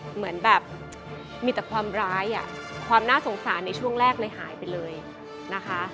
เหมือนแบบมีแต่ความร้ายอ่ะความน่าสงสารในช่วงแรกเลยหายไปเลยนะคะ